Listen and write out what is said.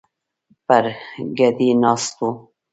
پر ګدۍ ناست ول.